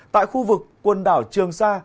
tại khu vực quần đảo trường sa